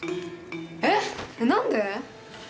えっ！？何で？